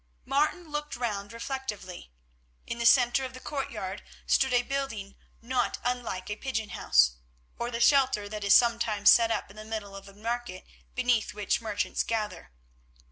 Martin looked round reflectively. In the centre of the courtyard stood a building not unlike a pigeon house, or the shelter that is sometimes set up in the middle of a market beneath which merchants gather.